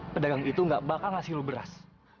pedagang itu gak bakal ngasih lu beras